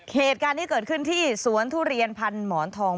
เหตุการณ์นี้เกิดขึ้นที่สวนทุเรียนพันหมอนทอง